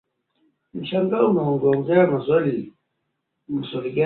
yao kwa muda mrefu Waturuki huwa na malengo madogo